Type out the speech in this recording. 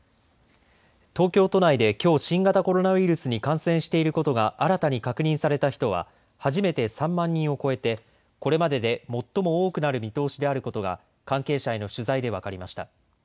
東京都内できょう新型コロナウイルスに感染していることが新たに確認された人は初めて３万人を超えてこれまでで最も多くなる見通しであることが関係者への取材で分かりました。